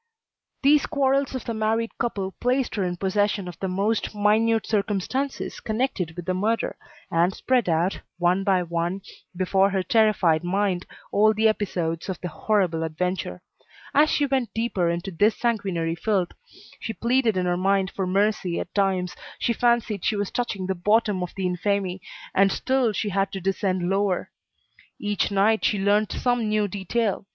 These quarrels of the married couple placed her in possession of the most minute circumstances connected with the murder, and spread out, one by one, before her terrified mind, all the episodes of the horrible adventure. As she went deeper into this sanguinary filth, she pleaded in her mind for mercy, at times, she fancied she was touching the bottom of the infamy, and still she had to descend lower. Each night, she learnt some new detail.